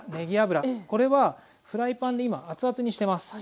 これはフライパンで今熱々にしてます。